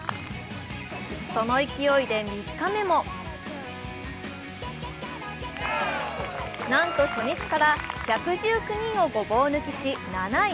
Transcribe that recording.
その勢いで３日目もなんと初日から１１９人をごぼう抜きし７位。